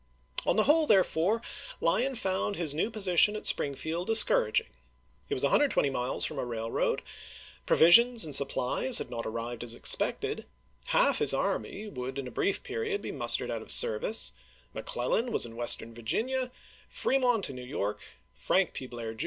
On the whole, therefore, Lyon found his new position at Springfield discouraging. He was 120 miles from a railroad ; provisions and supplies had not arrived as expected ; half his army would with in a brief period be mustered out of service ; Mc Clellan^ was in Western Virginia, Fremont in New York, Frank P. Blair, Jr.